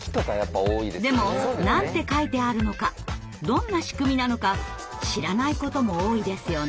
でも何て書いてあるのかどんな仕組みなのか知らないことも多いですよね。